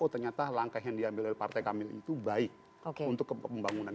oh ternyata langkah yang diambil oleh partai kami itu baik untuk pembangunan